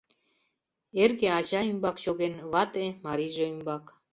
Эрге ача ӱмбак чоген, вате — марийже ӱмбак.